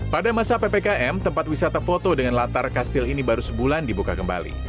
pada masa ppkm tempat wisata foto dengan latar kastil ini baru sebulan dibuka kembali